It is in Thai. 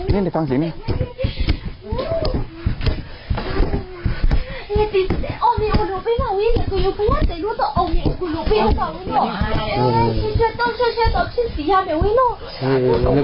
เล่นเลยฟังเสียงมั้ย